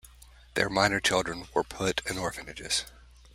Their minor children were put in orphanages.